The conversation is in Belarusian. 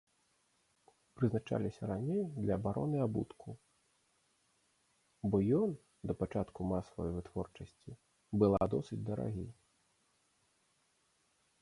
Прызначаліся раней для абароны абутку, бо ён да пачатку масавай вытворчасці была досыць дарагі.